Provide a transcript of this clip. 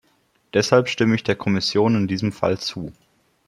Deshalb stimme ich der Kommission in diesem Fall zu.